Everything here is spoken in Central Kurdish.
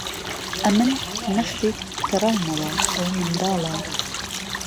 ئهمن نهختێک گەڕاومهوه ئهو منداڵه